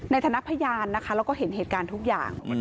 ในฐานะพยานนะคะแล้วก็เห็นเหตุการณ์ทุกอย่าง